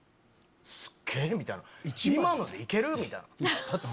すげぇ！みたいな今ので行ける⁉みたいな。